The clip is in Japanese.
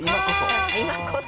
今こそ。